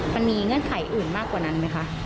เงื่อนไขอื่นมากกว่านั้นไหมคะ